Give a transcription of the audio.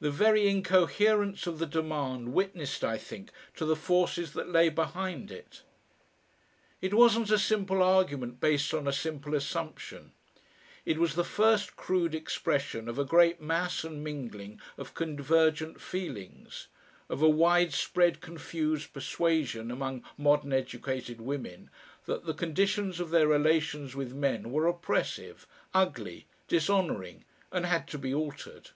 The very incoherence of the demand witnessed, I think, to the forces that lay behind it. It wasn't a simple argument based on a simple assumption; it was the first crude expression of a great mass and mingling of convergent feelings, of a widespread, confused persuasion among modern educated women that the conditions of their relations with men were oppressive, ugly, dishonouring, and had to be altered.